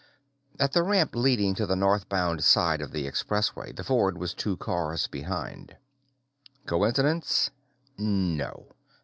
At the ramp leading to the northbound side of the Expressway, the Ford was two cars behind. Coincidence? No.